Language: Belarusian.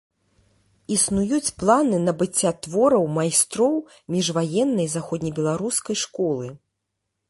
Існуюць планы набыцця твораў майстроў міжваеннай заходнебеларускай школы.